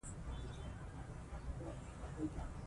بامیان د افغان ځوانانو د هیلو استازیتوب کوي.